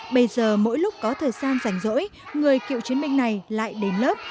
bây giờ mỗi lúc có thời gian rảnh rỗi người cựu chiến binh này lại đến lớp